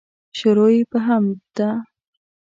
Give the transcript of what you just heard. شروع یې په حمد ده.